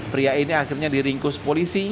pria ini akhirnya diringkus polisi